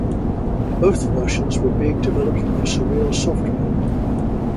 Both versions were being developed by Surreal Software.